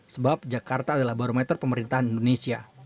sebab jakarta adalah barometer pemerintahan indonesia